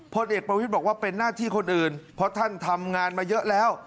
เด็กประวิทย์บอกว่าเป็นหน้าที่คนอื่นเพราะท่านทำงานมาเยอะแล้ว